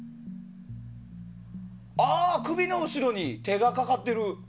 首の後ろに手がかかってる。